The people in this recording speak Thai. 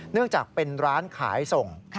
เนื่องจากเป็นร้านขายส่ง